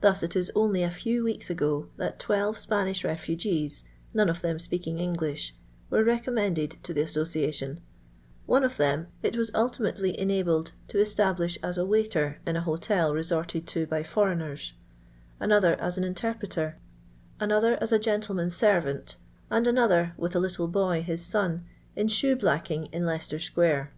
Thus, it is only a few weeks ago, that twelve Spanish refugees, none of them speaking English, were recommended to the Asso ciation ; one of them it was ultimately enabled to esUblish as a waiter in an hotel resorted to by ibreignen, another as an interpreter, another as a gentlemaak lerrant, and another (with a little boy, his son) in shoe blacking in Leicester square.